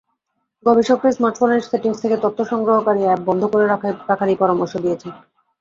গবেষকেরা স্মার্টফোনের সেটিংস থেকে তথ্য সংগ্রহকারী অ্যাপ বন্ধ করে রাখারই পরামর্শ দিয়েছেন।